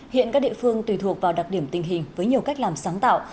hiện các địa phương tùy thuộc vào đặc điểm tình hình với nhiều cách làm sáng tạo